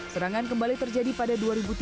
serangan kembali terjadi pada dua ribu tiga belas